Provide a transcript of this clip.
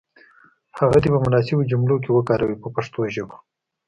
هغه دې په مناسبو جملو کې وکاروي په پښتو ژبه.